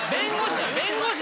弁護士。